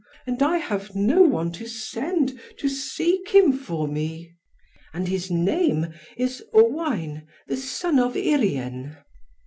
And I have no one to send to seek him for me. And his name is Owain the son of Urien."